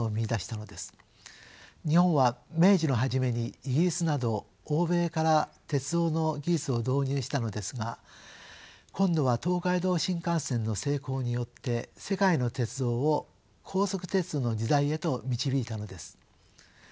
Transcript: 日本は明治の初めにイギリスなど欧米から鉄道の技術を導入したのですが今度は東海道新幹線の成功によって世界の鉄道を高速鉄道の時代へと導いたのです。